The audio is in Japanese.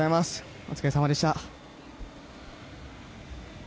お疲れさまでした。